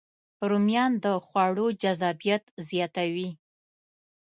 رومیان د خوړو جذابیت زیاتوي